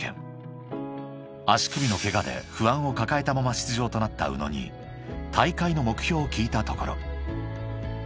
［足首のケガで不安を抱えたまま出場となった宇野に大会の目標を聞いたところ］